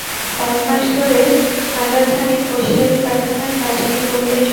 কয়েক মাস ধরে হাজার খানেক হোসিয়ারি কারখানায় কাজ নেই বললেই চলে।